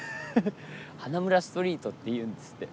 花村ストリートっていうんですって。